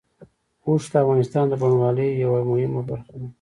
اوښ د افغانستان د بڼوالۍ یوه مهمه برخه ده.